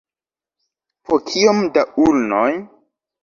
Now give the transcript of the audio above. Po kiom da ulnoj?